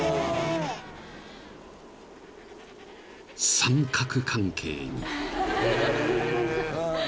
［三角関係に］